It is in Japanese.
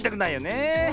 ねえ。